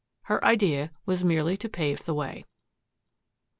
Her idea was merely to pave the way.